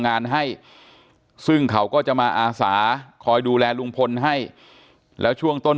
งานให้ซึ่งเขาก็จะมาอาสาคอยดูแลลุงพลให้แล้วช่วงต้น